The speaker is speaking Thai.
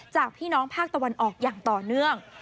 จากพี่น้องภาคตะวันออกอย่างต่อเนื่อง